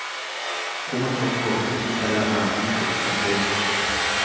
kuma tokkoo fi dhibba lamaa fi kudha saddeet